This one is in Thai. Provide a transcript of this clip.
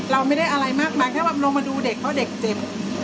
เราไม่ได้อะไรมากมายแค่ว่าลงมาดูเด็กเพราะเด็กเจ็บ